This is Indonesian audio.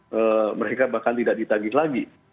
jadi mereka bahkan tidak ditagih lagi